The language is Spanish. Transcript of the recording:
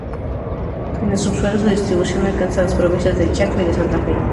En el subsuelo su distribución alcanza las provincias del Chaco y de Santa Fe.